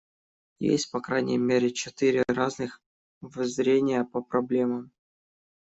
Есть по крайней мере четыре разных воззрения по проблемам.